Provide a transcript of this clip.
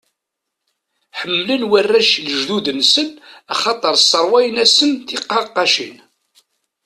Ḥemmlen warrac lejdud-nsen axaṭer sserwayen-asen tiqaqqacin.